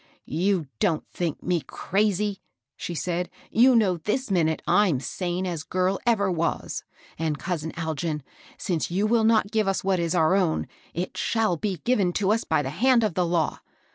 "Tou don't think me crasgr," she said; ^^you know this minute, I'm sane as girl ever was. And, cousin Algin, since you will not give us w}iat is our own, it shall be given us by the hand of the law.